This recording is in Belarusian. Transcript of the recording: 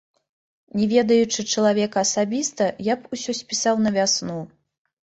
Не ведаючы чалавека асабіста, я б усё спісаў на вясну.